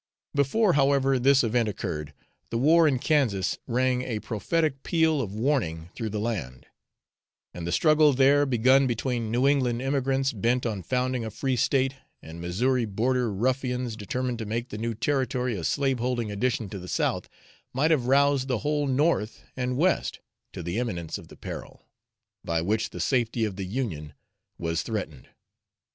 Before, however, this event occurred, the war in Kansas rang a prophetic peal of warning through the land; and the struggle there begun between New England emigrants bent on founding a free state, and Missouri border ruffians determined to make the new territory a slaveholding addition to the South, might have roused the whole North and West to the imminence of the peril, by which the safety of the Union was threatened.